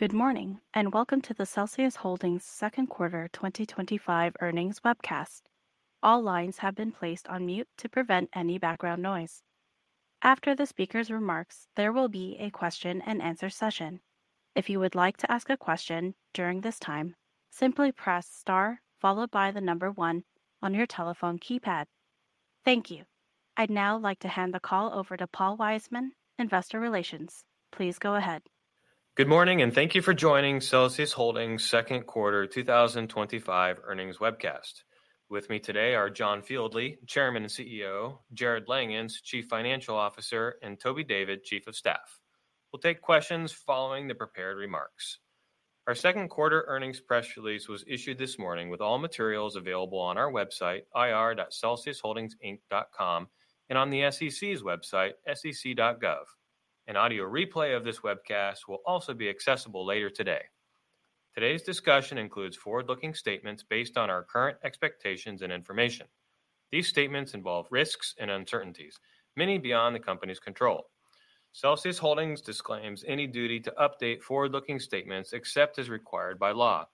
Good morning and welcome to the Celsius Holdings Inc. second quarter 2025 earnings webcast. All lines have been placed on mute to prevent any background noise. After the speaker's remarks, there will be a question and answer session. If you would like to ask a question during this time, simply press star followed by the number one on your telephone keypad. Thank you. I'd now like to hand the call over to Paul Wiseman, Investor Relations. Please go ahead. Good morning and thank you for joining Celsius Holdings second quarter 2025 earnings webcast. With me today are John Fieldly, Chairman and CEO, Jarrod Langhans, Chief Financial Officer, and Toby David, Chief of Staff. We'll take questions following the prepared remarks. Our second quarter earnings press release was issued this morning with all materials available on our website, ir.celsiusholdingsinc.com, and on the SEC's website, sec.gov. An audio replay of this webcast will also be accessible later today. Today's discussion includes forward-looking statements based on our current expectations and information. These statements involve risks and uncertainties, many beyond the company's control. Celsius Holdings disclaims any duty to update forward-looking statements except as required by law.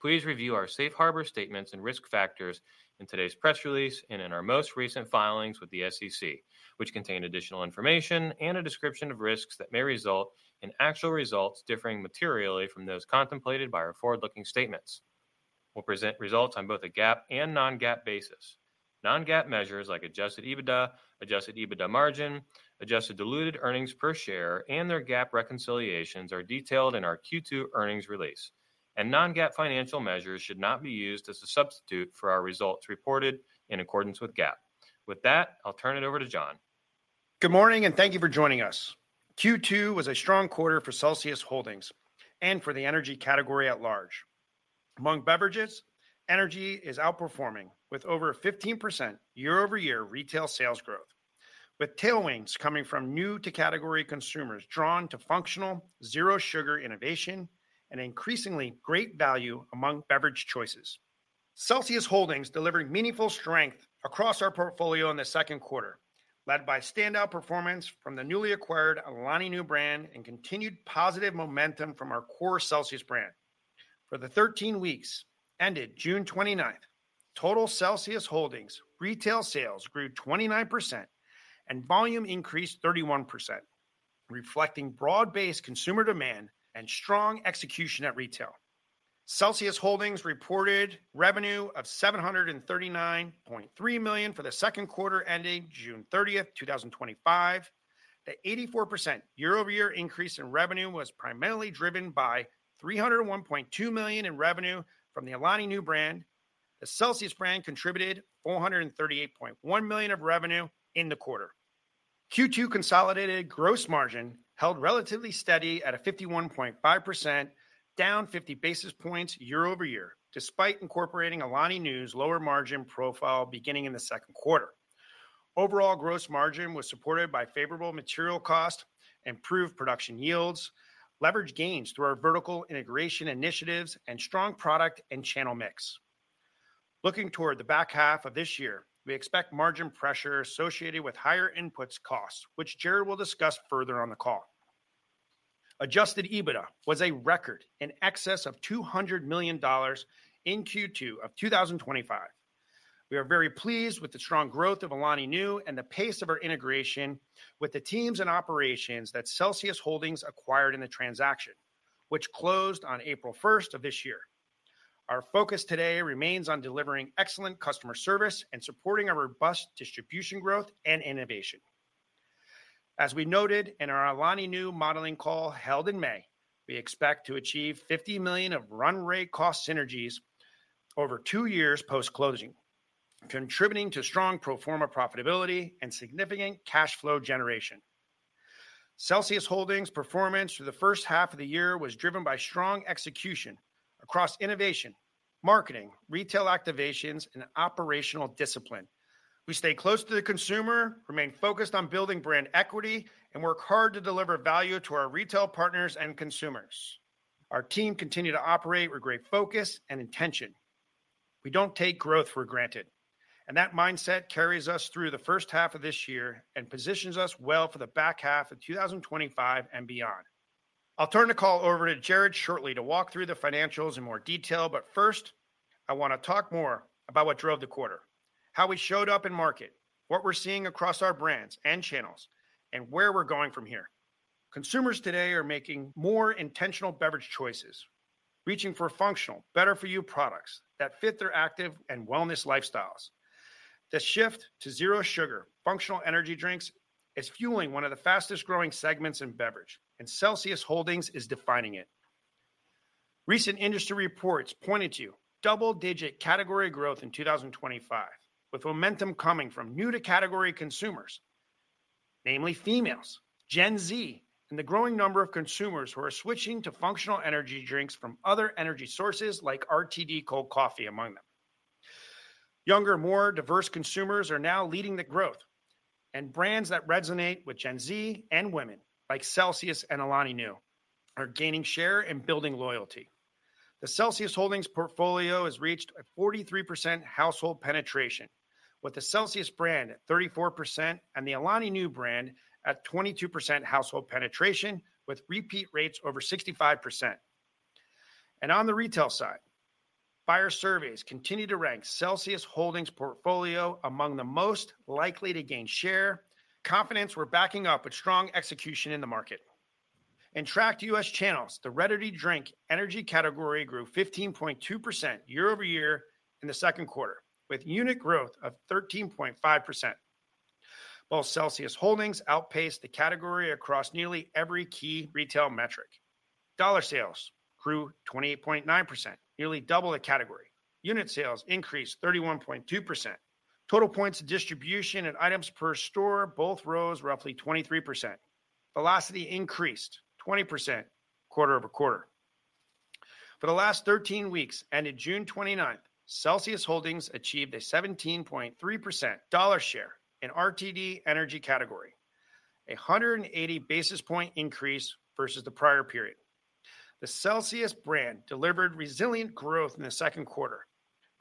Please review our safe harbor statements and risk factors in today's press release and in our most recent filings with the SEC, which contain additional information and a description of risks that may result in actual results differing materially from those contemplated by our forward-looking statements. We'll present results on both a GAAP and non-GAAP basis. Non-GAAP measures like adjusted EBITDA, adjusted EBITDA margin, adjusted diluted earnings per share, and their GAAP reconciliations are detailed in our Q2 earnings release. Non-GAAP financial measures should not be used as a substitute for our results reported in accordance with GAAP. With that, I'll turn it over to John. Good morning and thank you for joining us. Q2 was a strong quarter for Celsius Holdings and for the energy category at large. Among beverages, energy is outperforming with over 15% year-over-year retail sales growth, with tailwinds coming from new-to-category consumers drawn to functional zero-sugar innovation and increasingly great value among beverage choices. Celsius Holdings delivered meaningful strength across our portfolio in the second quarter, led by standout performance from the newly acquired Alani Nu brand and continued positive momentum from our core Celsius brand. For the 13 weeks ended June 29th, total Celsius Holdings' retail sales grew 29% and volume increased 31%, reflecting broad-based consumer demand and strong execution at retail. Celsius Holdings reported revenue of $739.3 million for the second quarter ending June 30th, 2025. The 84% year-over-year increase in revenue was primarily driven by $301.2 million in revenue from the Alani Nu brand. The Celsius brand contributed $438.1 million of revenue in the quarter. Q2 consolidated gross margin held relatively steady at 51.5%, down 50 basis points year-over-year, despite incorporating Alani Nu's lower margin profile beginning in the second quarter. Overall gross margin was supported by favorable material cost, improved production yields, leverage gains through our vertical integration initiatives, and strong product and channel mix. Looking toward the back half of this year, we expect margin pressure associated with higher input costs, which Jarrod will discuss further on the call. Adjusted EBITDA was a record in excess of $200 million in Q2 of 2025. We are very pleased with the strong growth of Alani Nu and the pace of our integration with the teams and operations that Celsius Holdings acquired in the transaction, which closed on April 1st of this year. Our focus today remains on delivering excellent customer service and supporting our robust distribution growth and innovation. As we noted in our Alani Nu modeling call held in May, we expect to achieve $50 million of run-rate cost synergies over two years post-closing, contributing to strong pro forma profitability and significant cash flow generation. Celsius Holdings' performance through the first half of the year was driven by strong execution across innovation, marketing, retail activations, and operational discipline. We stay close to the consumer, remain focused on building brand equity, and work hard to deliver value to our retail partners and consumers. Our team continued to operate with great focus and intention. We don't take growth for granted, and that mindset carries us through the first half of this year and positions us well for the back half of 2025 and beyond. I'll turn the call over to Jarrod shortly to walk through the financials in more detail, but first, I want to talk more about what drove the quarter, how we showed up in market, what we're seeing across our brands and channels, and where we're going from here. Consumers today are making more intentional beverage choices, reaching for functional, better-for-you products that fit their active and wellness lifestyles. The shift to zero-sugar functional energy drinks is fueling one of the fastest growing segments in beverage, and Celsius Holdings Inc. is defining it. Recent industry reports pointed to double-digit category growth in 2025, with momentum coming from new-to-category consumers, namely females, Gen Z, and the growing number of consumers who are switching to functional energy drinks from other energy sources like RTD energy cold coffee among them. Younger, more diverse consumers are now leading the growth, and brands that resonate with Gen Z and women, like Celsius and Alani Nu, are gaining share and building loyalty. The Celsius Holdings Inc. portfolio has reached a 43% household penetration, with the Celsius brand at 34% and the Alani Nu brand at 22% household penetration, with repeat rates over 65%. On the retail side, buyer surveys continue to rank Celsius Holdings Inc.'s portfolio among the most likely to gain share, confidence we're backing up with strong execution in the market. In tracked U.S. channels, the RTD energy category grew 15.2% year-over-year in the second quarter, with unit growth of 13.5%. While Celsius Holdings Inc. outpaced the category across nearly every key retail metric, dollar sales grew 28.9%, nearly double the category. Unit sales increased 31.2%. Total points of distribution and items per store both rose roughly 23%. Velocity increased 20% quarter over quarter. For the last 13 weeks ended June 29, Celsius Holdings Inc. achieved a 17.3% dollar share in RTD energy category, a 180 basis point increase versus the prior period. The Celsius brand delivered resilient growth in the second quarter,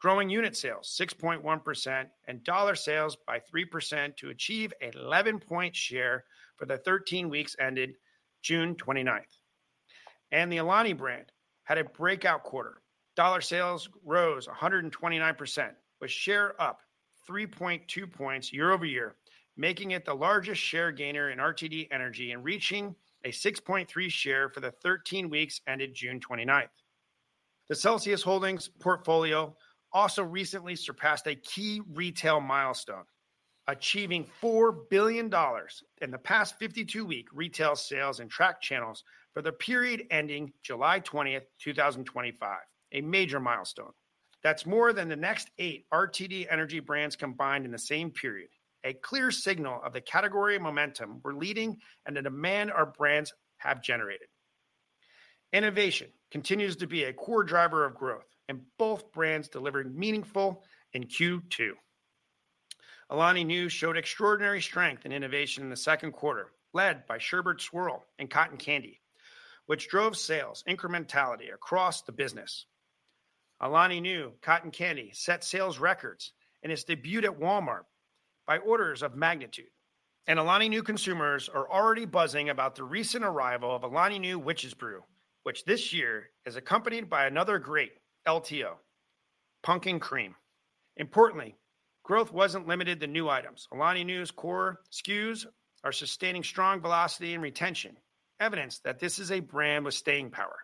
growing unit sales 6.1% and dollar sales by 3% to achieve an 11-point share for the 13 weeks ended June 29. The Alani Nu brand had a breakout quarter. Dollar sales rose 129%, with share up 3.2 points year-over-year, making it the largest share gainer in RTD energy and reaching a 6.3% share for the 13 weeks ended June 29. The Celsius Holdings Inc. portfolio also recently surpassed a key retail milestone, achieving $4 billion in the past 52-week retail sales in tracked channels for the period ending July 20, 2025, a major milestone. That's more than the next eight RTD energy brands combined in the same period, a clear signal of the category momentum we're leading and the demand our brands have generated. Innovation continues to be a core driver of growth, and both brands delivered meaningfully in Q2. Alani Nu showed extraordinary strength and innovation in the second quarter, led by Sherbet Swirl and Cotton Candy, which drove sales incrementality across the business. Alani Nu Cotton Candy set sales records in its debut at Walmart by orders of magnitude. Alani Nu consumers are already buzzing about the recent arrival of Alani Nu Witch's Brew, which this year is accompanied by another great LTO, Pumpkin Cream. Importantly, growth wasn't limited to new items. Alani Nu's core SKUs are sustaining strong velocity and retention, evidence that this is a brand with staying power.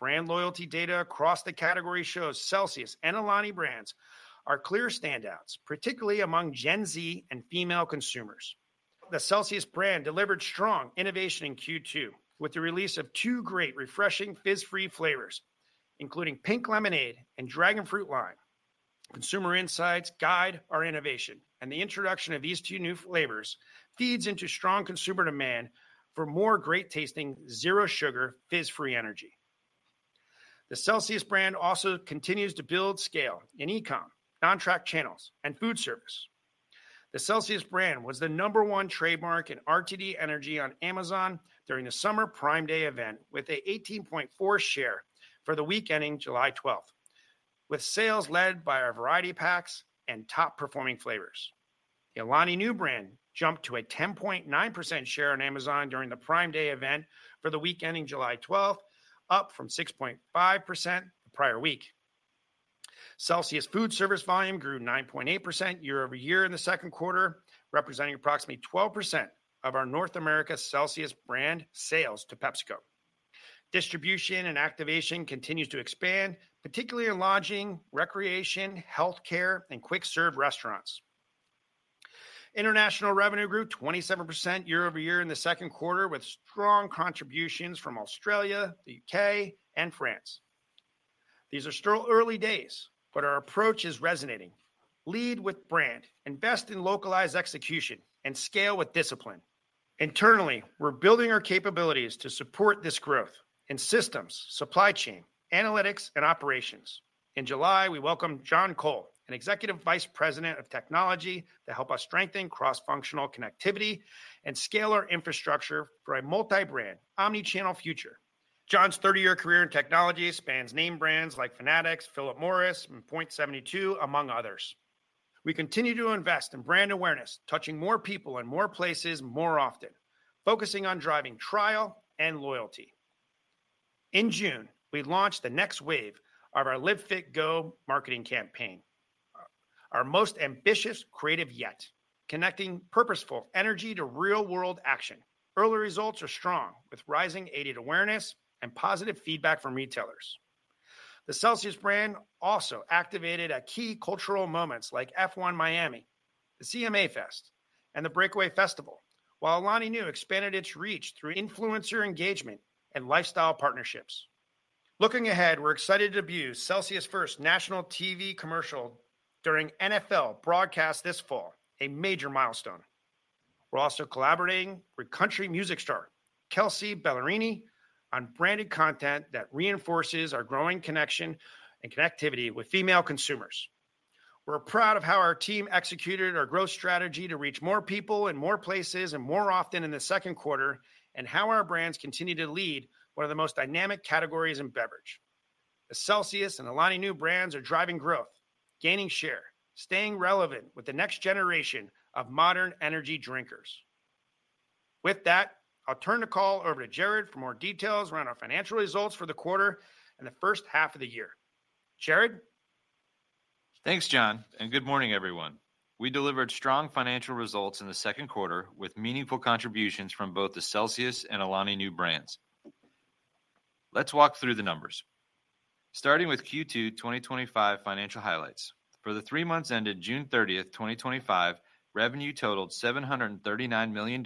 Brand loyalty data across the category shows Celsius and Alani Nu brands are clear standouts, particularly among Gen Z and female consumers. The Celsius brand delivered strong innovation in Q2 with the release of two great refreshing Fizz-Free flavors, including Pink Lemonade and Dragon Fruit Lime. Consumer insights guide our innovation, and the introduction of these two new flavors feeds into strong consumer demand for more great-tasting zero-sugar Fizz-Free energy. The Celsius brand also continues to build scale in e-com, non-tracked channels, and food service. The Celsius brand was the number one trademark in RTD energy on Amazon during the Summer Prime Day event, with an 18.4% share for the week ending July 12, with sales led by our variety packs and top-performing flavors. The Alani Nu brand jumped to a 10.9% share on Amazon during the Prime Day event for the week ending July 12, up from 6.5% the prior week. Celsius food service volume grew 9.8% year-over-year in the second quarter, representing approximately 12% of our North America Celsius brand sales to PepsiCo. Distribution and activation continue to expand, particularly in lodging, recreation, healthcare, and quick-serve restaurants. International revenue grew 27% year-over-year in the second quarter, with strong contributions from Australia, the UK, and France. These are still early days, but our approach is resonating. Lead with brand, invest in localized execution, and scale with discipline. Internally, we're building our capabilities to support this growth in systems, supply chain, analytics, and operations. In July, we welcomed John Cole, an Executive Vice President of Technology, to help us strengthen cross-functional connectivity and scale our infrastructure for a multi-brand, omnichannel future. John's 30-year career in technology spans name brands like Fanatics, Philip Morris, and Point72, among others. We continue to invest in brand awareness, touching more people in more places more often, focusing on driving trial and loyalty. In June, we launched the next wave of our Live Fit Go marketing campaign, our most ambitious creative yet, connecting purposeful energy to real-world action. Early results are strong, with rising aided awareness and positive feedback from retailers. The Celsius brand also activated key cultural moments like F1 Miami, the CMA Fest, and the Breakaway Festival, while Alani Nu expanded its reach through influencer engagement and lifestyle partnerships. Looking ahead, we're excited to be Celsius' first national TV commercial during NFL broadcast this fall, a major milestone. We're also collaborating with country music star Kelsea Ballerini on branded content that reinforces our growing connection and connectivity with female consumers. We're proud of how our team executed our growth strategy to reach more people in more places and more often in the second quarter, and how our brands continue to lead one of the most dynamic categories in beverage. The Celsius and Alani Nu brands are driving growth, gaining share, staying relevant with the next generation of modern energy drinkers. With that, I'll turn the call over to Jarrod for more details around our financial results for the quarter and the first half of the year. Jarrod? Thanks, John, and good morning, everyone. We delivered strong financial results in the second quarter with meaningful contributions from both the Celsius and Alani Nu brands. Let's walk through the numbers. Starting with Q2 2025 financial highlights. For the three months ended June 30, 2025, revenue totaled $739 million,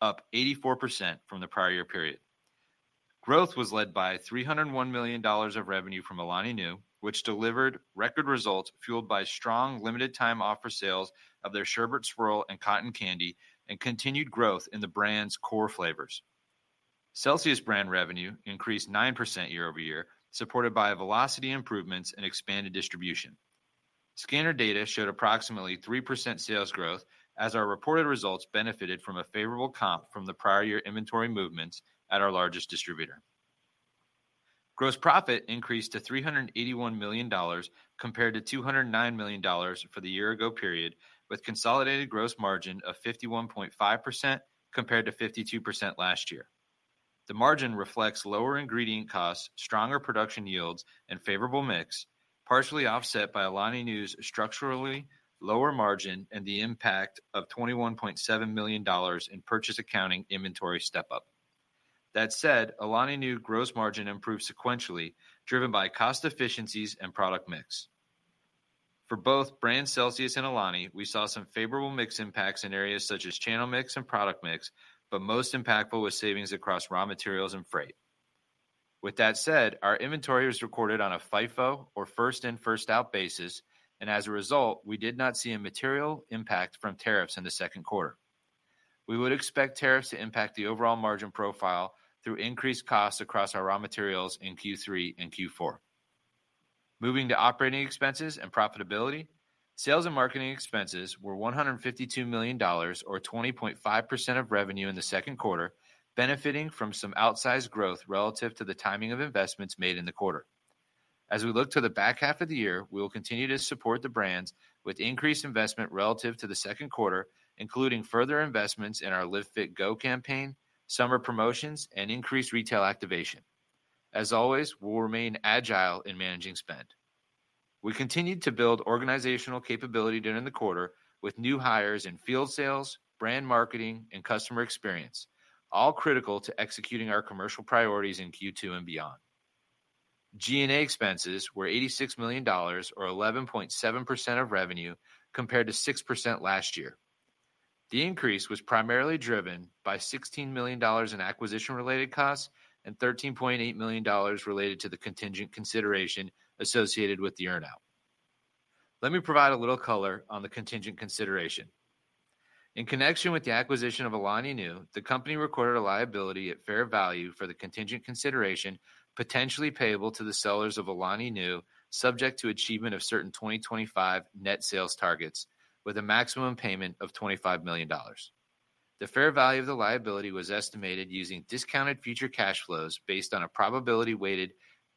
up 84% from the prior year period. Growth was led by $301 million of revenue from Alani Nu, which delivered record results fueled by strong limited-time offer sales of their Sherbet Swirl and Cotton Candy and continued growth in the brand's core flavors. Celsius brand revenue increased 9% year-over-year, supported by velocity improvements and expanded distribution. Scanner data showed approximately 3% sales growth, as our reported results benefited from a favorable comp from the prior year inventory movements at our largest distributor. Gross profit increased to $381 million compared to $209 million for the year-ago period, with a consolidated gross margin of 51.5% compared to 52% last year. The margin reflects lower ingredient costs, stronger production yields, and favorable mix, partially offset by Alani Nu's structurally lower margin and the impact of $21.7 million in purchase accounting inventory step-up. That said, Alani Nu's gross margin improved sequentially, driven by cost efficiencies and product mix. For both brand Celsius and Alani, we saw some favorable mix impacts in areas such as channel mix and product mix, but most impactful was savings across raw materials and freight. With that said, our inventory was recorded on a FIFO or first in, first out basis, and as a result, we did not see a material impact from tariffs in the second quarter. We would expect tariffs to impact the overall margin profile through increased costs across our raw materials in Q3 and Q4. Moving to operating expenses and profitability, sales and marketing expenses were $152 million, or 20.5% of revenue in the second quarter, benefiting from some outsized growth relative to the timing of investments made in the quarter. As we look to the back half of the year, we will continue to support the brands with increased investment relative to the second quarter, including further investments in our Live Fit Go campaign, summer promotions, and increased retail activation. As always, we'll remain agile in managing spend. We continued to build organizational capability during the quarter with new hires in field sales, brand marketing, and customer experience, all critical to executing our commercial priorities in Q2 and beyond. G&A expenses were $86 million, or 11.7% of revenue, compared to 6% last year. The increase was primarily driven by $16 million in acquisition-related costs and $13.8 million related to the contingent consideration associated with the earnout. Let me provide a little color on the contingent consideration. In connection with the acquisition of Alani Nu, the company recorded a liability at fair value for the contingent consideration potentially payable to the sellers of Alani Nu subject to achievement of certain 2025 net sales targets, with a maximum payment of $25 million. The fair value of the liability was estimated using discounted future cash flows based on a probability-weighted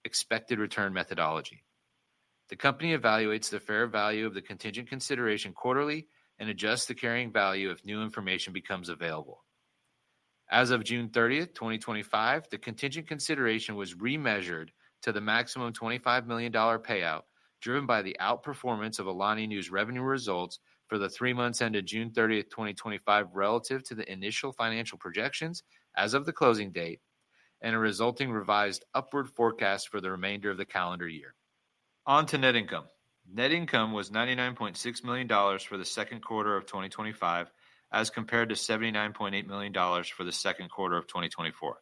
expected return methodology. The company evaluates the fair value of the contingent consideration quarterly and adjusts the carrying value if new information becomes available. As of June 30, 2025, the contingent consideration was remeasured to the maximum $25 million payout, driven by the outperformance of Alani Nu's revenue results for the three months ended June 30, 2025, relative to the initial financial projections as of the closing date and a resulting revised upward forecast for the remainder of the calendar year. On to net income. Net income was $99.6 million for the second quarter of 2025, as compared to $79.8 million for the second quarter of 2024.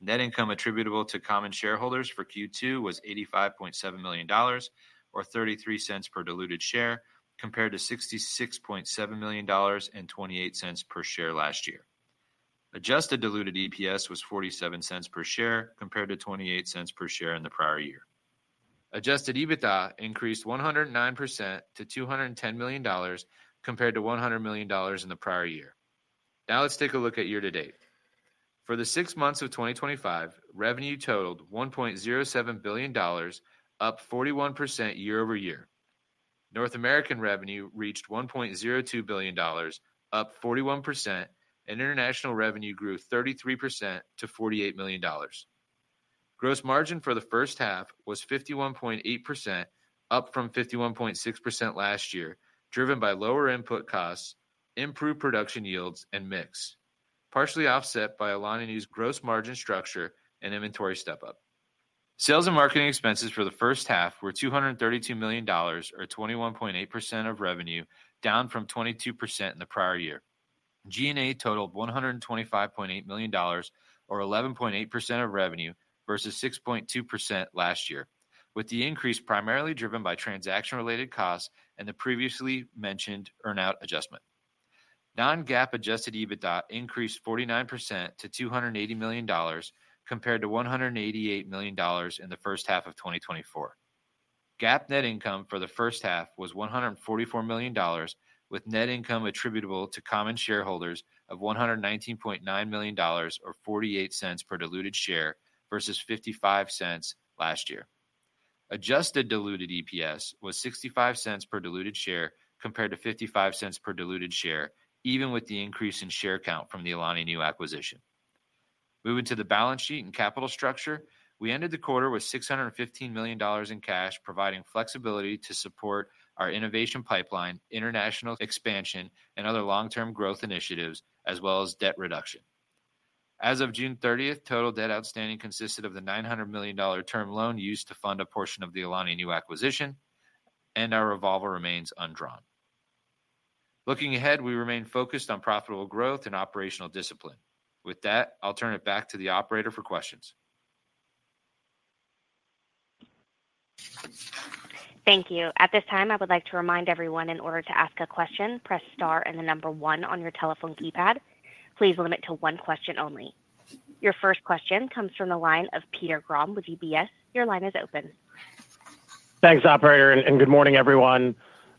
Net income attributable to common shareholders for Q2 was $85.7 million, or $0.33 per diluted share, compared to $66.7 million and $0.28 per share last year. Adjusted diluted EPS was $0.47 per share, compared to $0.28 per share in the prior year. Adjusted EBITDA increased 109% to $210 million, compared to $100 million in the prior year. Now let's take a look at year-to-date. For the six months of 2025, revenue totaled $1.07 billion, up 41% year-over-year. North American revenue reached $1.02 billion, up 41%, and international revenue grew 33% to $48 million. Gross margin for the first half was 51.8%, up from 51.6% last year, driven by lower input costs, improved production yields, and mix, partially offset by Alani Nu's gross margin structure and inventory step-up. Sales and marketing expenses for the first half were $232 million, or 21.8% of revenue, down from 22% in the prior year. G&A totaled $125.8 million, or 11.8% of revenue versus 6.2% last year, with the increase primarily driven by transaction-related costs and the previously mentioned earnout adjustment. Non-GAAP adjusted EBITDA increased 49% to $280 million, compared to $188 million in the first half of 2024. GAAP net income for the first half was $144 million, with net income attributable to common shareholders of $119.9 million, or $0.48 per diluted share versus $0.55 last year. Adjusted diluted EPS was $0.65 per diluted share, compared to $0.55 per diluted share, even with the increase in share count from the Alani Nu acquisition. Moving to the balance sheet and capital structure, we ended the quarter with $615 million in cash, providing flexibility to support our innovation pipeline, international expansion, and other long-term growth initiatives, as well as debt reduction. As of June 30th, total debt outstanding consisted of the $900 million term loan used to fund a portion of the Alani Nu acquisition, and our revolver remains undrawn. Looking ahead, we remain focused on profitable growth and operational discipline. With that, I'll turn it back to the operator for questions. Thank you. At this time, I would like to remind everyone, in order to ask a question, press star and the number one on your telephone keypad. Please limit to one question only. Your first question comes from the line of Peter Grom with UBS Investment Bank. Your line is open. Thanks, operator, and good morning, everyone.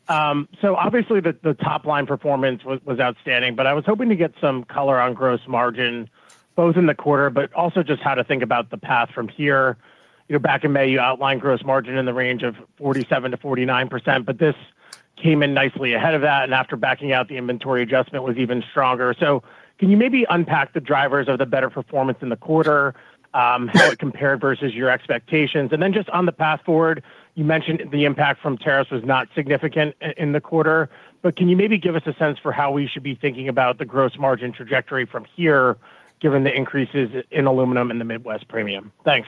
Obviously, the top line performance was outstanding, but I was hoping to get some color on gross margin, both in the quarter, but also just how to think about the path from here. Back in May, you outlined gross margin in the range of 47% to 49%, but this came in nicely ahead of that, and after backing out, the inventory adjustment was even stronger. Can you maybe unpack the drivers of the better performance in the quarter, how it compared versus your expectations? On the path forward, you mentioned the impact from tariffs was not significant in the quarter, but can you maybe give us a sense for how we should be thinking about the gross margin trajectory from here, given the increases in aluminum in the Midwest premium? Thanks.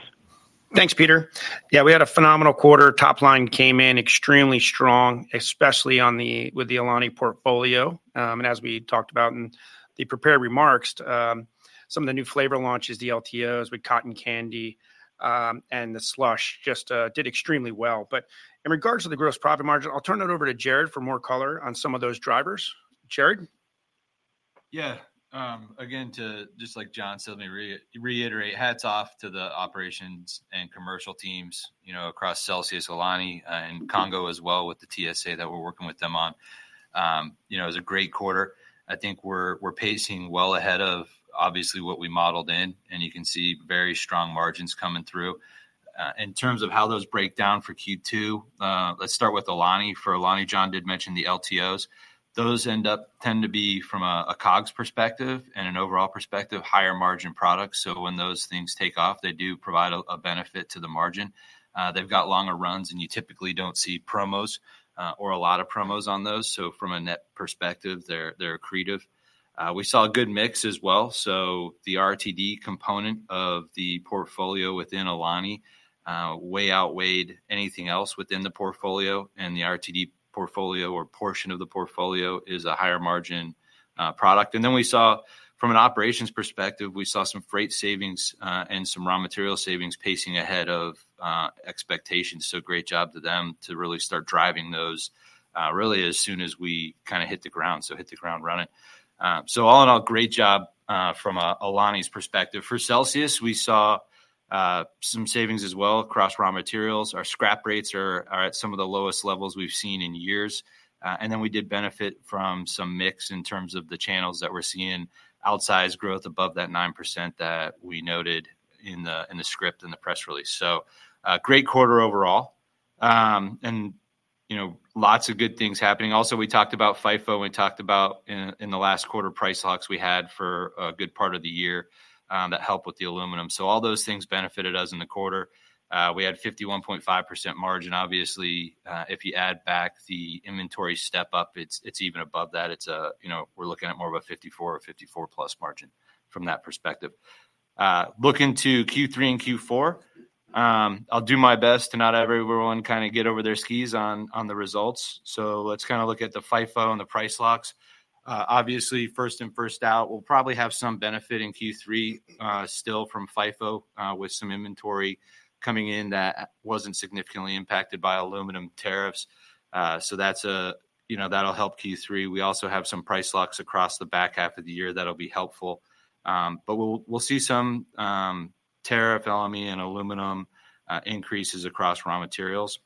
Thanks, Peter. Yeah, we had a phenomenal quarter. Top line came in extremely strong, especially with the Alani Nu portfolio. As we talked about in the prepared remarks, some of the new flavor launches, the LTOs with Cotton Candy and the slush just did extremely well. In regards to the gross profit margin, I'll turn it over to Jarrod for more color on some of those drivers. Jarrod? Yeah, again, just like John said, let me reiterate, hats off to the operations and commercial teams across Celsius, Alani Nu, and Congo as well with the TSA that we're working with them on. It was a great quarter. I think we're pacing well ahead of what we modeled in, and you can see very strong margins coming through. In terms of how those break down for Q2, let's start with Alani Nu. John did mention the LTOs. Those tend to be, from a COGS perspective and an overall perspective, higher margin products. When those things take off, they do provide a benefit to the margin. They've got longer runs, and you typically don't see promos or a lot of promos on those. From a net perspective, they're accretive. We saw a good mix as well. The RTD component of the portfolio within Alani Nu way outweighed anything else within the portfolio, and the RTD portion of the portfolio is a higher margin product. From an operations perspective, we saw some freight savings and some raw material savings pacing ahead of expectations. Great job to them to really start driving those as soon as we hit the ground, so hit the ground running. All in all, great job from Alani Nu's perspective. For Celsius, we saw some savings as well across raw materials. Our scrap rates are at some of the lowest levels we've seen in years. We did benefit from some mix in terms of the channels that we're seeing outsized growth above that 9% that we noted in the script and the press release. Great quarter overall, and lots of good things happening. We talked about FIFO, and we talked about in the last quarter price locks we had for a good part of the year that helped with the aluminum. All those things benefited us in the quarter. We had 51.5% margin. If you add back the inventory step up, it's even above that. We're looking at more of a 54 or 54+% margin from that perspective. Looking to Q3 and Q4, I'll do my best to not let everyone get over their skis on the results. Let's look at the FIFO and the price locks. First in, first out, we'll probably have some benefit in Q3 still from FIFO with some inventory coming in that wasn't significantly impacted by aluminum tariffs. That'll help Q3. We also have some price locks across the back half of the year that'll be helpful. We will see some tariff LME and aluminum increases across raw materials.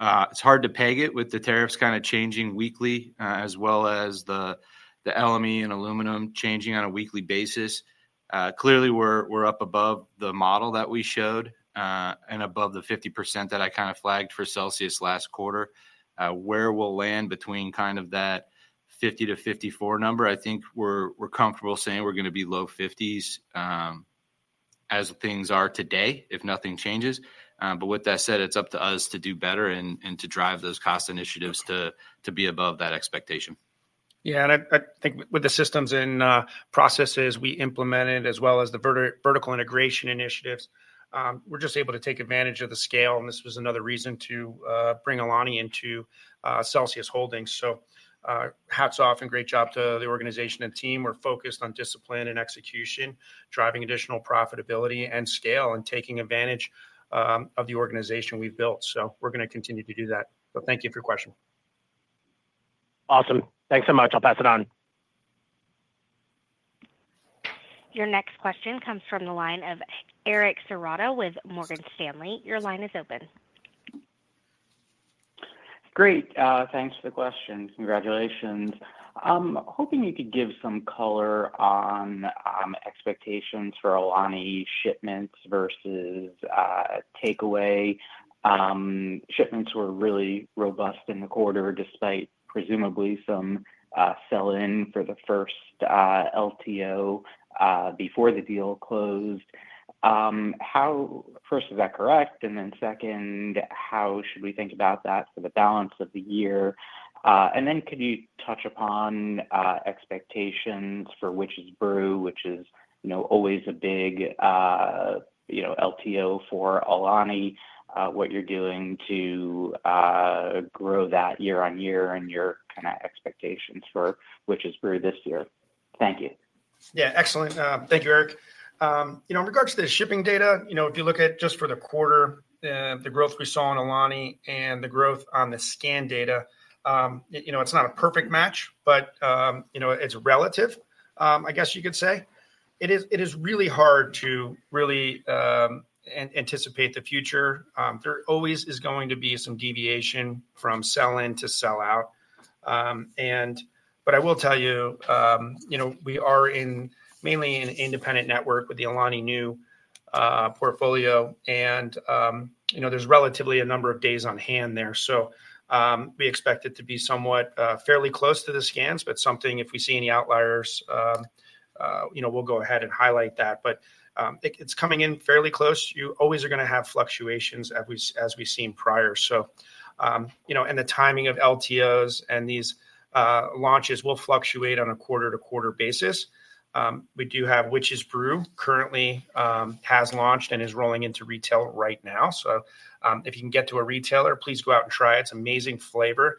It's hard to peg it with the tariffs kind of changing weekly, as well as the LME and aluminum changing on a weekly basis. Clearly, we're up above the model that we showed and above the 50% that I kind of flagged for Celsius last quarter. Where we'll land between kind of that 50 to 54 number, I think we're comfortable saying we're going to be low 50s as things are today if nothing changes. With that said, it's up to us to do better and to drive those cost initiatives to be above that expectation. Yeah, and I think with the systems and processes we implemented, as well as the vertical integration initiatives, we're just able to take advantage of the scale, and this was another reason to bring Alani Nu into Celsius Holdings. Hats off and great job to the organization and team. We're focused on discipline and execution, driving additional profitability and scale and taking advantage of the organization we've built. We're going to continue to do that. Thank you for your question. Awesome. Thanks so much. I'll pass it on. Your next question comes from the line of Eric Serotta with Morgan Stanley. Your line is open. Great. Thanks for the question. Congratulations. I'm hoping you could give some color on expectations for Alani Nu shipments versus takeaway. Shipments were really robust in the quarter, despite presumably some sell-in for the first LTO before the deal closed. First, is that correct? Second, how should we think about that for the balance of the year? Could you touch upon expectations for Witch's Brew, which is always a big LTO for Alani Nu? What you're doing to grow that year on year and your kind of expectations for Witch's Brew this year. Thank you. Yeah, excellent. Thank you, Eric. In regards to the shipping data, if you look at just for the quarter, the growth we saw in Alani Nu and the growth on the scan data, it's not a perfect match, but it's relative, I guess you could say. It is really hard to anticipate the future. There always is going to be some deviation from sell-in to sell-out. I will tell you, we are mainly in an independent network with the Alani Nu portfolio, and there's relatively a number of days on hand there. We expect it to be somewhat fairly close to the scans, but if we see any outliers, we'll go ahead and highlight that. It's coming in fairly close. You always are going to have fluctuations, as we've seen prior. The timing of LTOs and these launches will fluctuate on a quarter-to-quarter basis. We do have Witch's Brew currently has launched and is rolling into retail right now. If you can get to a retailer, please go out and try it. It's an amazing flavor.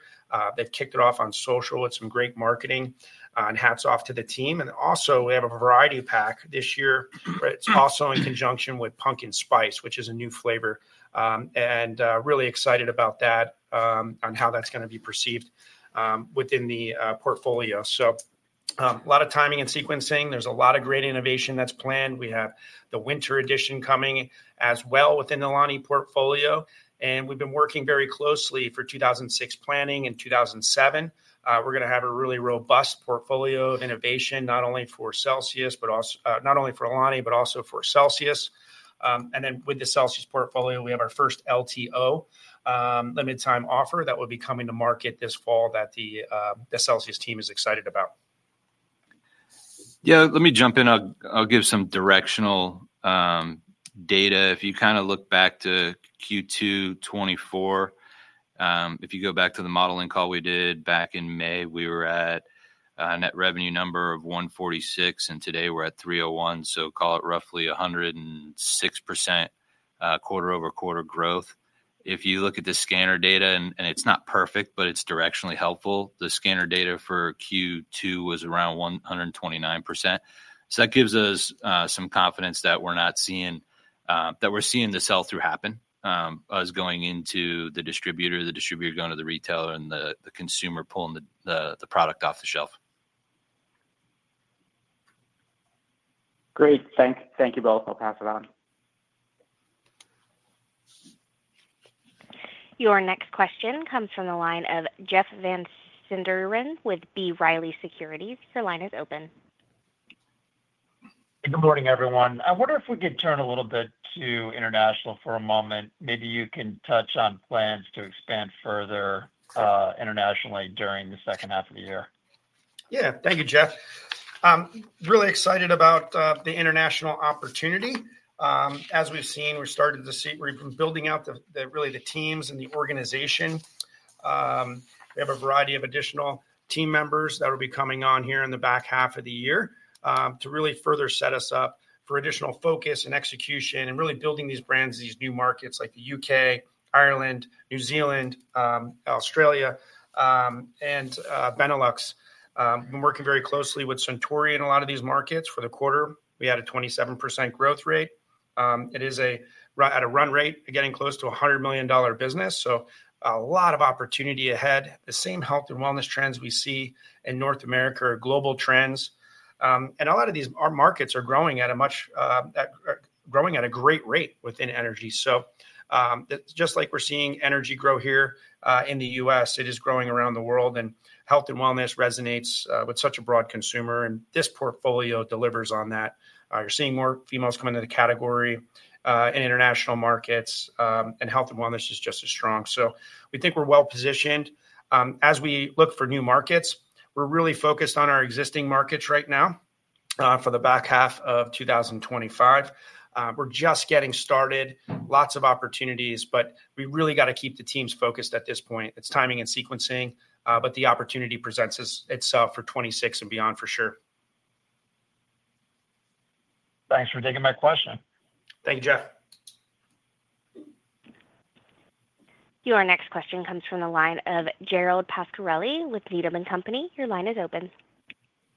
They've kicked it off on social with some great marketing, and hats off to the team. We also have a variety pack this year. It's also in conjunction with Pumpkin Spice, which is a new flavor, and really excited about that and how that's going to be perceived within the portfolio. A lot of timing and sequencing. There's a lot of great innovation that's planned. We have the winter edition coming as well within the Alani Nu portfolio, and we've been working very closely for 2026 planning and 2027. We're going to have a really robust portfolio of innovation, not only for Celsius, but also not only for Alani Nu, but also for Celsius. With the Celsius portfolio, we have our first LTO, a limited-time offer that will be coming to market this fall that the Celsius team is excited about. Yeah, let me jump in. I'll give some directional data. If you kind of look back to Q2 2024, if you go back to the modeling call we did back in May, we were at a net revenue number of $146 million, and today we're at $301 million. Call it roughly 106% quarter-over-quarter growth. If you look at the scanner data, and it's not perfect, but it's directionally helpful, the scanner data for Q2 was around 129%. That gives us some confidence that we're seeing the sell-through happen as going into the distributor, the distributor going to the retailer, and the consumer pulling the product off the shelf. Great. Thanks. Thank you both. I'll pass it on. Your next question comes from the line of Jeff Van Sinderen with B. Riley Securities. Your line is open. Good morning, everyone. I wonder if we could turn a little bit to international for a moment. Maybe you can touch on plans to expand further internationally during the second half of the year. Yeah, thank you, Jeff. Really excited about the international opportunity. As we've seen, we've started to see we're building out the teams and the organization. We have a variety of additional team members that will be coming on here in the back half of the year to really further set us up for additional focus and execution and really building these brands in these new markets like the UK, Ireland, New Zealand, Australia, and Benelux. We're working very closely with Centurion in a lot of these markets. For the quarter, we had a 27% growth rate. It is at a run rate of getting close to a $100 million business, so a lot of opportunity ahead. The same health and wellness trends we see in North America are global trends. A lot of these markets are growing at a great rate within energy. Just like we're seeing energy grow here in the U.S., it is growing around the world, and health and wellness resonates with such a broad consumer, and this portfolio delivers on that. You're seeing more females come into the category in international markets, and health and wellness is just as strong. We think we're well positioned. As we look for new markets, we're really focused on our existing markets right now for the back half of 2025. We're just getting started, lots of opportunities, but we really got to keep the teams focused at this point. It's timing and sequencing, but the opportunity presents itself for 2026 and beyond for sure. Thanks for taking my question. Thank you, Jeff. Your next question comes from the line of Gerald Pascarelli with Needham & Company. Your line is open.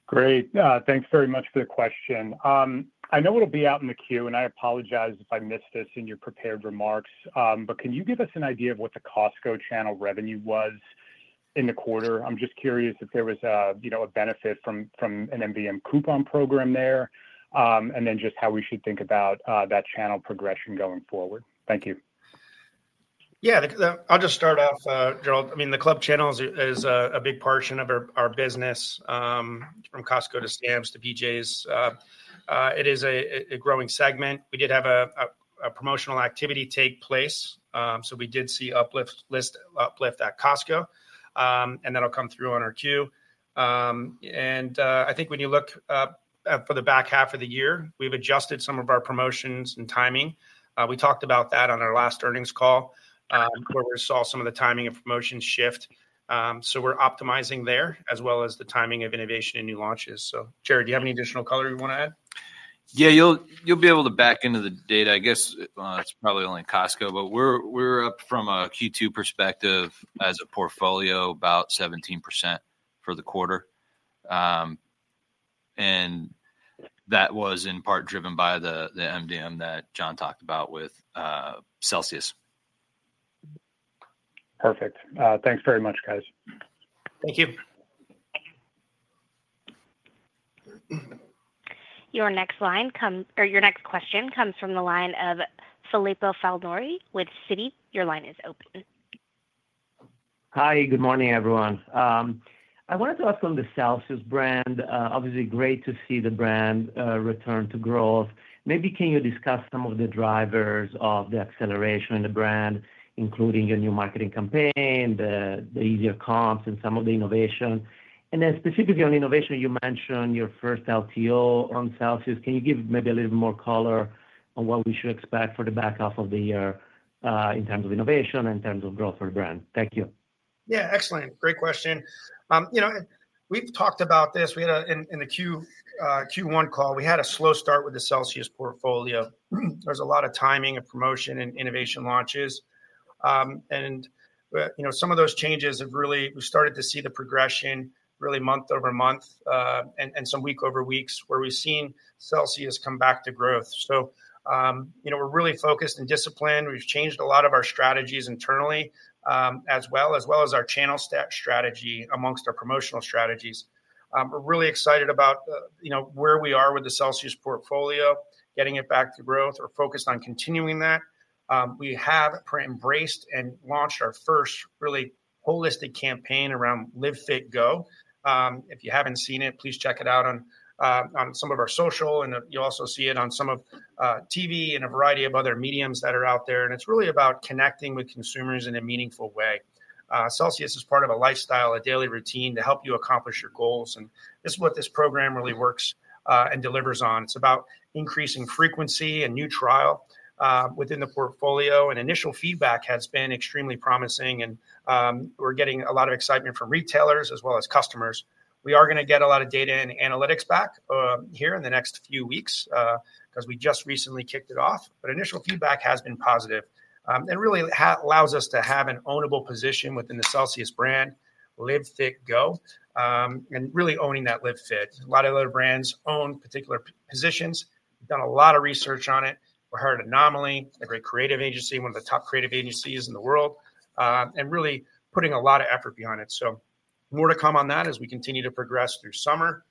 Great. Thanks very much for the question. I know it'll be out in the queue, and I apologize if I missed this in your prepared remarks, but can you give us an idea of what the Costco channel revenue was in the quarter? I'm just curious if there was a benefit from an MVM coupon program there, and how we should think about that channel progression going forward. Thank you. Yeah, I'll just start off, Gerald. The club channel is a big portion of our business from Costco to Sam's to BJ's. It is a growing segment. We did have a promotional activity take place, so we did see uplift at Costco, and that'll come through on our queue. I think when you look for the back half of the year, we've adjusted some of our promotions and timing. We talked about that on our last earnings call where we saw some of the timing of promotions shift. We're optimizing there as well as the timing of innovation and new launches. Jarrod, do you have any additional color you want to add? Yeah, you'll be able to back into the data. I guess it's probably only Costco, but we're up from a Q2 perspective as a portfolio about 17% for the quarter. That was in part driven by the MDM that John talked about with Celsius. Perfect. Thanks very much, guys. Thank you. Your next question comes from the line of Filippo Falorni with Citi. Your line is open. Hi, good morning, everyone. I wanted to ask on the Celsius brand. Obviously, great to see the brand return to growth. Maybe can you discuss some of the drivers of the acceleration in the brand, including your new marketing campaign, the easier comps, and some of the innovation? Specifically on innovation, you mentioned your first LTO on Celsius. Can you give maybe a little bit more color on what we should expect for the back half of the year in terms of innovation and in terms of growth for the brand? Thank you. Yeah, excellent. Great question. You know, we've talked about this. We had in the Q1 call, we had a slow start with the Celsius portfolio. There's a lot of timing of promotion and innovation launches. Some of those changes have really, we started to see the progression really month over month and some week over weeks where we've seen Celsius come back to growth. You know, we're really focused and disciplined. We've changed a lot of our strategies internally as well, as well as our channel strategy amongst our promotional strategies. We're really excited about, you know, where we are with the Celsius portfolio, getting it back to growth. We're focused on continuing that. We have embraced and launched our first really holistic campaign around Live Fit Go. If you haven't seen it, please check it out on some of our social, and you'll also see it on some of TV and a variety of other mediums that are out there. It's really about connecting with consumers in a meaningful way. Celsius is part of a lifestyle, a daily routine to help you accomplish your goals, and this is what this program really works and delivers on. It's about increasing frequency and new trial within the portfolio, and initial feedback has been extremely promising. We're getting a lot of excitement from retailers as well as customers. We are going to get a lot of data and analytics back here in the next few weeks because we just recently kicked it off. Initial feedback has been positive. It really allows us to have an ownable position within the Celsius brand, Live Fit Go, and really owning that Live Fit. A lot of other brands own particular positions. We've done a lot of research on it. We hired Anomaly, a great creative agency, one of the top creative agencies in the world, and really putting a lot of effort behind it. More to come on that as we continue to progress through summer.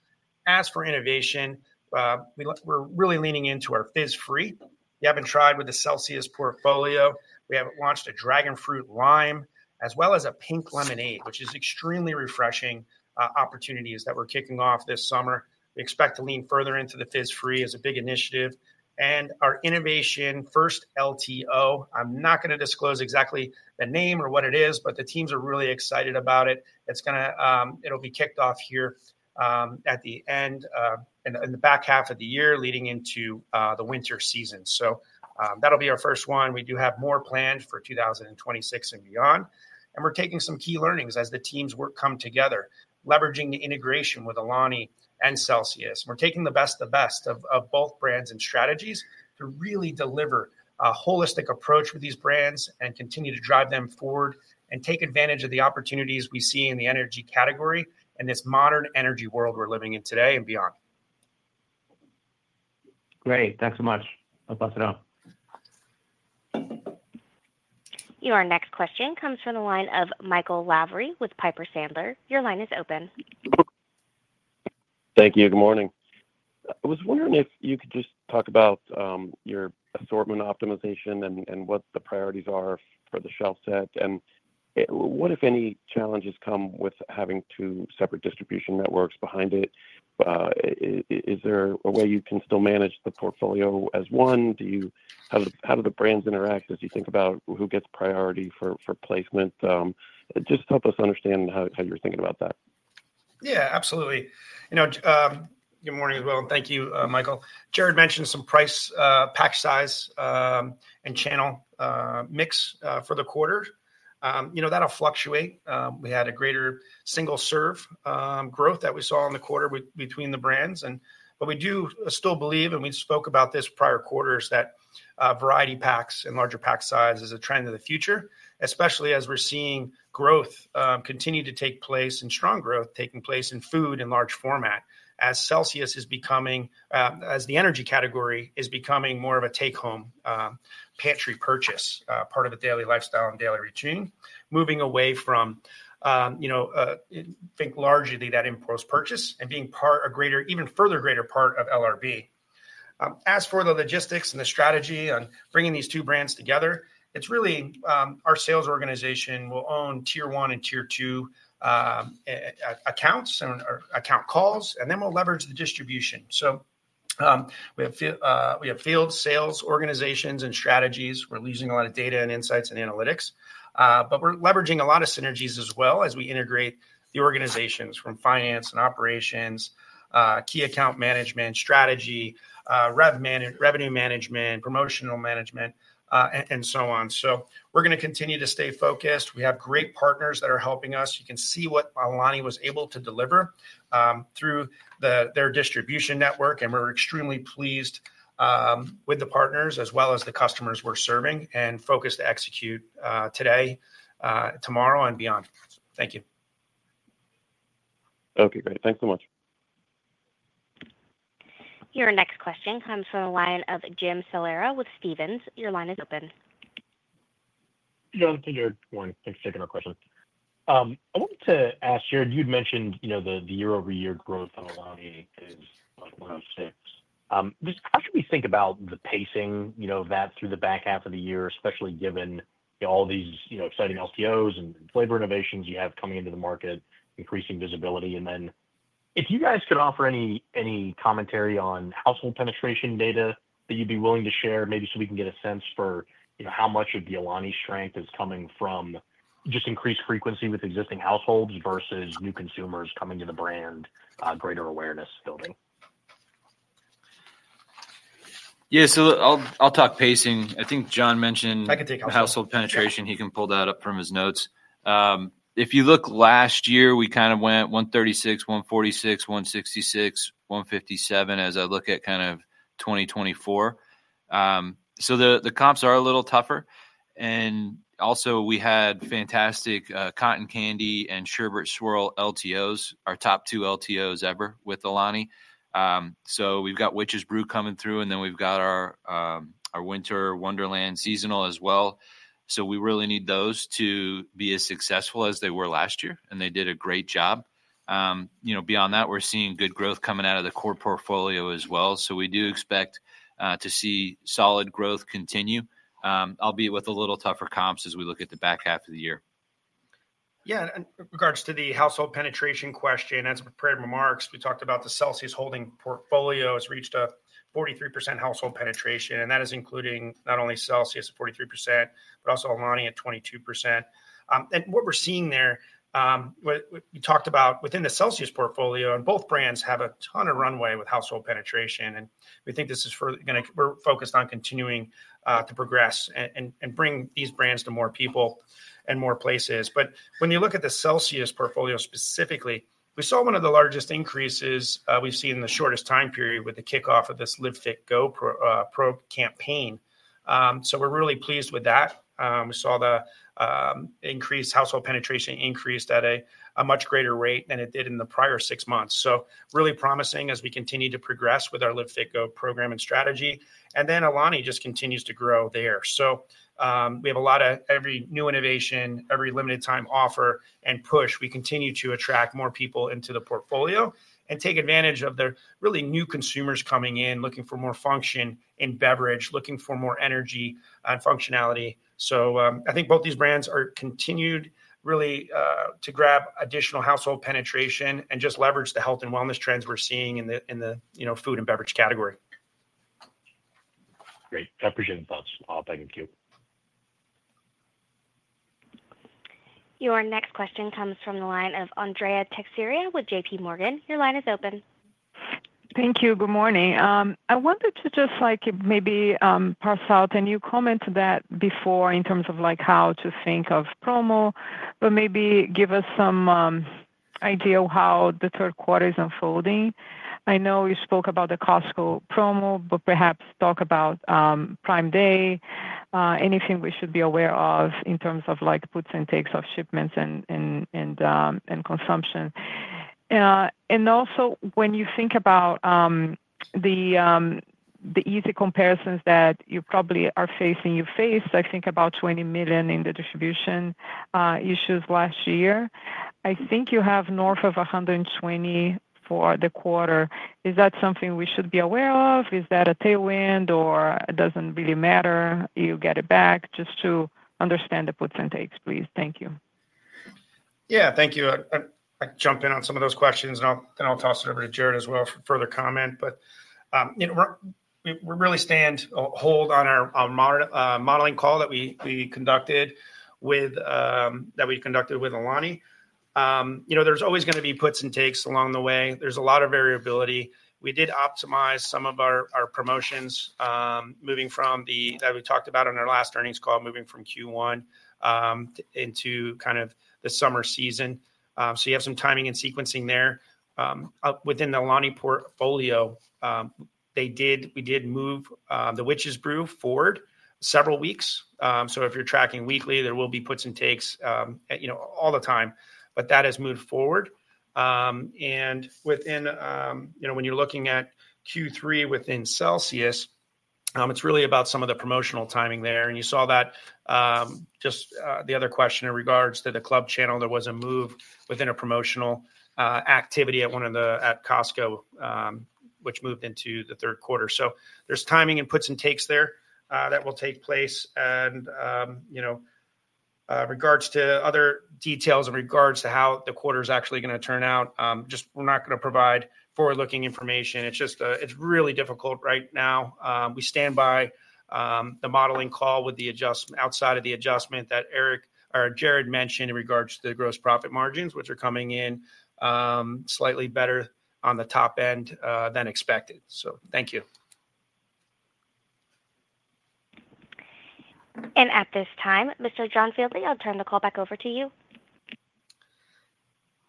As for innovation, we're really leaning into our Fizz-Free. If you haven't tried with the Celsius portfolio, we have launched a Dragon Fruit Lime as well as a Pink Lemonade, which is extremely refreshing opportunities that we're kicking off this summer. We expect to lean further into the Fizz-Free as a big initiative. Our innovation first LTO, I'm not going to disclose exactly the name or what it is, but the teams are really excited about it. It'll be kicked off here at the end in the back half of the year leading into the winter season. That'll be our first one. We do have more planned for 2026 and beyond. We're taking some key learnings as the teams come together, leveraging the integration with Alani Nu and Celsius. We're taking the best of both brands and strategies to really deliver a holistic approach with these brands, continue to drive them forward, and take advantage of the opportunities we see in the energy category and this modern energy world we're living in today and beyond. Great. Thanks so much. I'll pass it on. Your next question comes from the line of Michael Lavery with Piper Sandler. Your line is open. Thank you. Good morning. I was wondering if you could just talk about your assortment optimization and what the priorities are for the shelf set. What, if any, challenges come with having two separate distribution networks behind it? Is there a way you can still manage the portfolio as one? How do the brands interact as you think about who gets priority for placement? Just help us understand how you're thinking about that. Yeah, absolutely. Good morning as well, and thank you, Michael. Jarrod mentioned some price pack size and channel mix for the quarter. That'll fluctuate. We had a greater single serve growth that we saw in the quarter between the brands. What we do still believe, and we spoke about this prior quarter, is that variety packs and larger pack size is a trend of the future, especially as we're seeing growth continue to take place and strong growth taking place in food and large format, as Celsius is becoming, as the energy category is becoming more of a take-home pantry purchase, part of the daily lifestyle and daily routine, moving away from, you know, think largely that in-pros purchase and being part of a greater, even further greater part of LRB. As for the logistics and the strategy on bringing these two brands together, it's really our sales organization will own tier one and tier two accounts and account calls, and then we'll leverage the distribution. We have field sales organizations and strategies. We're using a lot of data and insights and analytics, but we're leveraging a lot of synergies as well as we integrate the organizations from finance and operations, key account management, strategy, revenue management, promotional management, and so on. We're going to continue to stay focused. We have great partners that are helping us. You can see what Alani Nu was able to deliver through their distribution network, and we're extremely pleased with the partners as well as the customers we're serving and focused to execute today, tomorrow, and beyond. Thank you. Okay, great. Thanks so much. Your next question comes from the line of Jim Salera with Stephens. Your line is open. Yeah, good morning. Thanks for taking my question. I wanted to ask, Jarrod, you'd mentioned, you know, the year-over-year growth on Alani is on 26%. Just how should we think about the pacing, you know, that through the back half of the year, especially given all these, you know, exciting LTOs and flavor innovations you have coming into the market, increasing visibility? If you guys could offer any commentary on household penetration data that you'd be willing to share, maybe so we can get a sense for, you know, how much of the Alani strength is coming from just increased frequency with existing households versus new consumers coming to the brand, greater awareness building. Yeah, so I'll talk pacing. I think John mentioned household penetration. He can pull that up from his notes. If you look last year, we kind of went 136, 146, 166, 157 as I look at kind of 2024. The comps are a little tougher. We had fantastic Cotton Candy and Sherbet Swirl LTOs, our top two LTOs ever with Alani Nu. We've got Witch's Brew coming through, and we've got our Winter Wonderland seasonal as well. We really need those to be as successful as they were last year, and they did a great job. Beyond that, we're seeing good growth coming out of the core portfolio as well. We do expect to see solid growth continue, albeit with a little tougher comps as we look at the back half of the year. Yeah, in regards to the household penetration question, as prepared remarks, we talked about the Celsius Holdings portfolio has reached a 43% household penetration, and that is including not only Celsius at 43%, but also Alani Nu at 22%. What we're seeing there, we talked about within the Celsius portfolio, and both brands have a ton of runway with household penetration. We think this is further going to, we're focused on continuing to progress and bring these brands to more people and more places. When you look at the Celsius portfolio specifically, we saw one of the largest increases we've seen in the shortest time period with the kickoff of this Live Fit Go pro campaign. We're really pleased with that. We saw the increased household penetration increase at a much greater rate than it did in the prior six months. Really promising as we continue to progress with our Live Fit Go program and strategy. Alani Nu just continues to grow there. We have a lot of every new innovation, every limited time offer and push. We continue to attract more people into the portfolio and take advantage of the really new consumers coming in, looking for more function in beverage, looking for more energy and functionality. I think both these brands are continued really to grab additional household penetration and just leverage the health and wellness trends we're seeing in the food and beverage category. Great. I appreciate the thoughts. Thank you. Your next question comes from the line of Andrea Teixeira with J.P. Morgan Securities LLC. Your line is open. Thank you. Good morning. I wanted to maybe pass out a new comment to that before in terms of how to think of promo, but maybe give us some idea of how the third quarter is unfolding. I know you spoke about the Costco promo, but perhaps talk about Prime Day, anything we should be aware of in terms of puts and takes of shipments and consumption. Also, when you think about the easy comparisons that you probably are facing, you faced, I think about $20 million in the distribution issues last year. I think you have north of $120 million for the quarter. Is that something we should be aware of? Is that a tailwind or doesn't really matter? You get it back. Just to understand the puts and takes, please. Thank you. Thank you. I'd jump in on some of those questions, and I'll toss it over to Jarrod as well for further comment. We really stand hold on our modeling call that we conducted with Alani Nu. There's always going to be puts and takes along the way. There's a lot of variability. We did optimize some of our promotions, moving from the, that we talked about on our last earnings call, moving from Q1 into kind of the summer season. You have some timing and sequencing there. Within the Alani Nu portfolio, we did move the Witch's Brew forward several weeks. If you're tracking weekly, there will be puts and takes all the time. That has moved forward. When you're looking at Q3 within Celsius, it's really about some of the promotional timing there. You saw that just the other question in regards to the club channel. There was a move within a promotional activity at Costco, which moved into the third quarter. There's timing and puts and takes there that will take place. In regards to other details in regards to how the quarter is actually going to turn out, we're not going to provide forward-looking information. It's really difficult right now. We stand by the modeling call with the adjustment outside of the adjustment that Jarrod mentioned in regards to the consolidated gross margins, which are coming in slightly better on the top end than expected. Thank you. At this time, Mr. John Fieldly, I'll turn the call back over to you.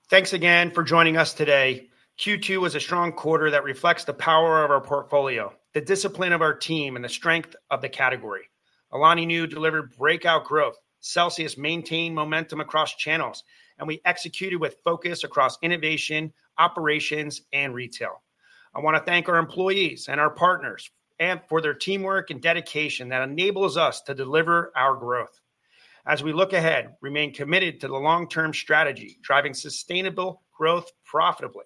Thanks again for joining us today. Q2 was a strong quarter that reflects the power of our portfolio, the discipline of our team, and the strength of the category. Alani Nu delivered breakout growth. Celsius maintained momentum across channels, and we executed with focus across innovation, operations, and retail. I want to thank our employees and our partners for their teamwork and dedication that enables us to deliver our growth. As we look ahead, we remain committed to the long-term strategy, driving sustainable growth profitably,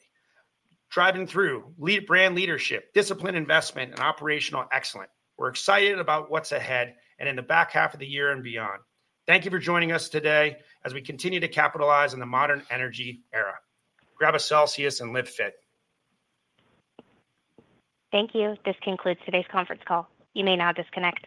driving through brand leadership, discipline, investment, and operational excellence. We're excited about what's ahead in the back half of the year and beyond. Thank you for joining us today as we continue to capitalize on the modern energy era. Grab a Celsius and Live Fit. Thank you. This concludes today's conference call. You may now disconnect.